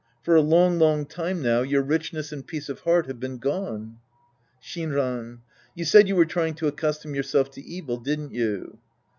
For a long, long time now your richness and peace of heart have been gone. Shinran. You said you were trying to accustom yourself to evil, didn't you